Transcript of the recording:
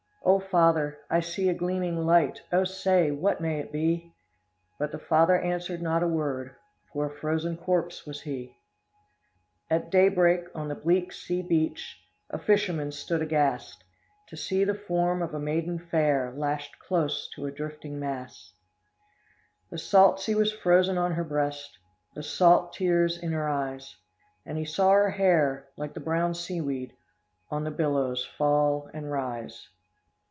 'O father, I see a gleaming light, O say, what may it be?' But the father answered not a word, For a frozen corpse was he. At daybreak, on the bleak sea beach, A fisherman stood aghast, To see the form of a maiden fair, Lashed close to a drifting mast. The salt sea was frozen on her breast, The salt tears in her eyes. And he saw her hair, like the brown seaweed, On the billows fall and rise."